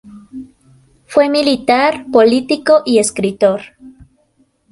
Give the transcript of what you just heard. Fue militar, político y escritor.